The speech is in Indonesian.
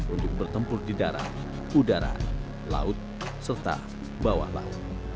untuk bertempur di darat udara laut serta bawah laut